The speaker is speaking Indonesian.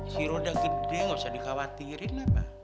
siro udah gede gak usah dikhawatirin